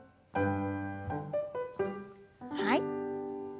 はい。